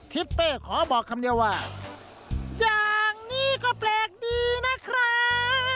เป้ขอบอกคำเดียวว่าอย่างนี้ก็แปลกดีนะครับ